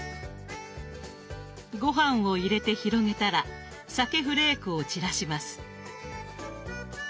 ごはんを入れて広げたら鮭フレークを散らします。